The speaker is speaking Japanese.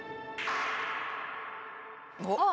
あっ！